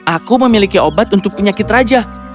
aku memiliki obat untuk penyakit raja